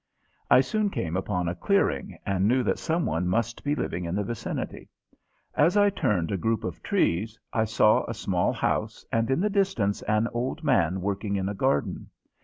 I soon came upon a clearing and knew that some one must be living in the vicinity. As I turned a group of trees I saw a small house and in the distance an old man working in a garden.